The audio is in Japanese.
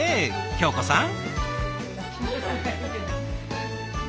恭子さん。